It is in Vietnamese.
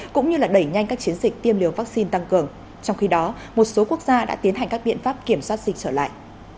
cũng như đẩy nhanh các chiến dịch tiêm liều vaccine tăng cường trong khi đó một số quốc gia đã tiến hành các biện pháp kiểm soát dịch trở lại